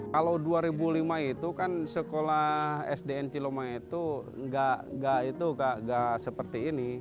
kalau dua ribu lima itu kan sekolah sdn ciloma itu nggak seperti ini